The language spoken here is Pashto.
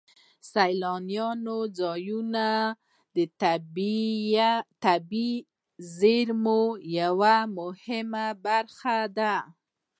سیلاني ځایونه د طبیعي زیرمو یوه مهمه برخه ده.